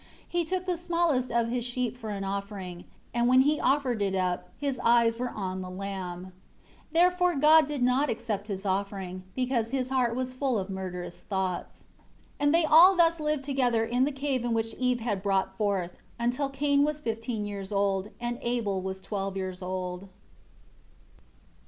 He took the smallest of his sheep for an offering and when he offered it up, his eyes were on the lamb. 8 Therefore God did not accept his offering, because his heart was full of murderous thoughts. 9 And they all thus lived together in the cave in which Eve had brought forth, until Cain was fifteen years old, and Abel twelve years old.